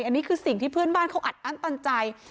อันนี้คือสิ่งที่เพื่อนบ้านเขาอัดอั้นตันใจ